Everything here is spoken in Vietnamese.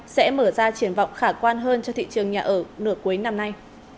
sẽ mở ra triển vọng khả quan hơn cho thị trường nhà ở nửa cuối năm nay